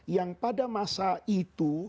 yang pada masa itu